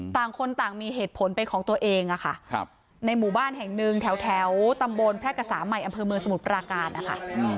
ต่างคนต่างมีเหตุผลเป็นของตัวเองในหมู่บ้านแห่งหนึ่งแถวตำบลแพร่กษาใหม่อำเภอเมืองสมุทรปราการนะคะ